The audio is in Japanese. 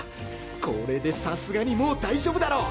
これでさすがにもう大丈夫だろう！